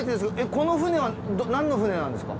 この船は何の船なんですか？